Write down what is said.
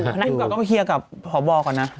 ขอบอกก็เคียร์กับอธิบายคอพอบอกก่อนนะ